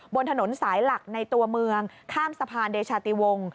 บนถนนสายหลักในตัวเมืองข้ามสะพานเดชาติวงศ